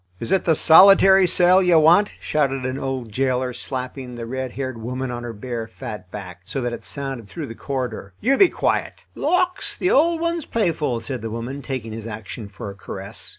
"Is it the solitary cell you want?" shouted an old jailer, slapping the red haired woman on her bare, fat back, so that it sounded through the corridor. "You be quiet." "Lawks! the old one's playful," said the woman, taking his action for a caress.